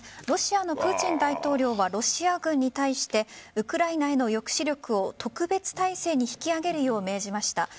ロシアのプーチン大統領はロシア軍に対してウクライナへの抑止力を特別態勢に引き上げるよう命じました。